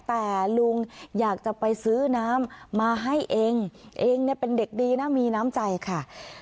แต่ลุงอยากจะไปซื้อน้ำมาให้เองเองเนี่ยเป็นเด็กดีนะมีน้ำใจค่ะ